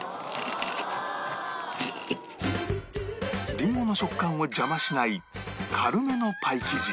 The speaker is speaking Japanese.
りんごの食感を邪魔しない軽めのパイ生地